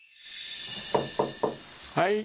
・はい。